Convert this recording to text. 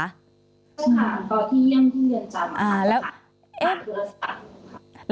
ใช่ค่ะตอนที่เยี่ยมที่เยี่ยมจำค่ะ